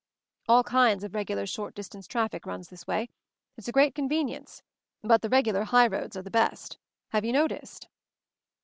"All kinds of regular short distance traf fic runs this way. It's a great convenience. But the regular highroads are the best. Have you noticed?"